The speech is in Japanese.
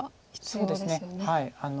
そうですね。